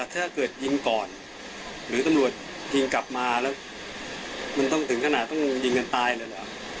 ปกติเขามีออกมือพื้นไปไหน